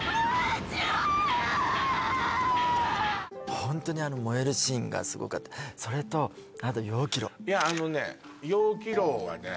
ホントにあの燃えるシーンがすごかったそれとあと「陽暉楼」いやあのね「陽暉楼」はね